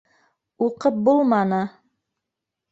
Уҡып булманы!